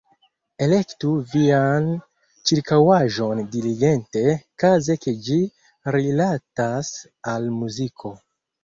Elektu vian ĉirkaŭaĵon diligente, kaze ke ĝi rilatas al muziko.